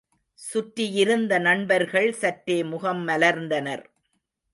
சுற்றியிருந்த நண்பர்கள் சற்றே முகம் மலர்ந்தனர்.